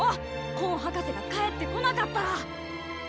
コン博士が帰ってこなかったら！